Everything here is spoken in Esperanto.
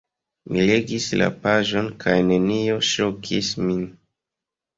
Mi legis la paĝon kaj nenio ŝokis min.